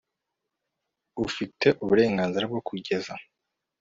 bufite uburenganzira bwo kugeza